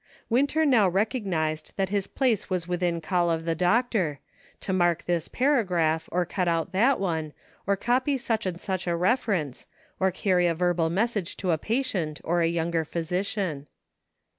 Winter now recognized that his place was within call of the doctor, to mark this paragraph, or cut out that one, or copy such and such a reference, or carry a verbal message to a patient or a younger physician.